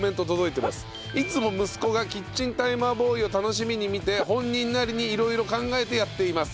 いつも息子がキッチンタイマーボーイを楽しみに見て本人なりに色々考えてやっています。